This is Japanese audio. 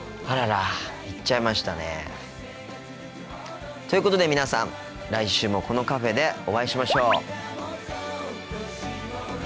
あらら行っちゃいましたね。ということで皆さん来週もこのカフェでお会いしましょう！